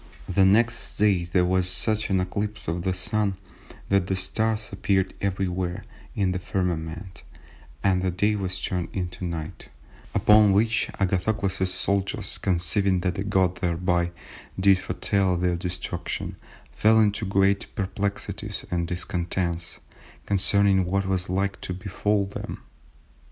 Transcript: The next day there was such an eclipse of the Sun, that the stars appeared everywhere in the firmament, and the day was turned into night, upon which Agathocles's soldiers (conceiving that God thereby did foretell their destruction) fell into great perplexities and discontents concerning what was like to befall them."